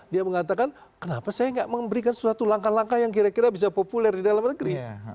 dia mengatakan kenapa saya tidak memberikan suatu langkah langkah yang kira kira bisa populer di dalam negeri